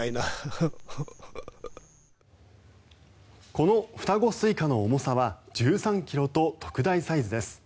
この双子スイカの重さは１３ｋｇと特大サイズです。